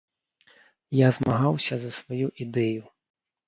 Я змагаўся за сваю ідэю.